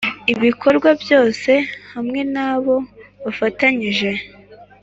Ibikorwa byose hamwe n abo bafatangije